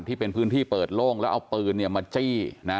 ที่เป็นพื้นที่เปิดโล่งแล้วเอาปืนมาจี้นะ